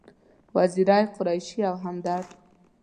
وزیری، قریشي او همدرد و.